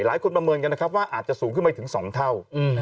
ประเมินกันนะครับว่าอาจจะสูงขึ้นไปถึง๒เท่า